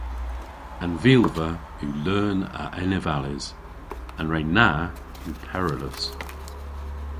An vilva yw leun a enevales. An re na yw peryllus.